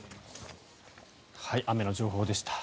雨の情報でした。